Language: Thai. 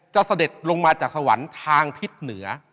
เสด็จลงมาจากสวรรค์ทางทิศเหนือ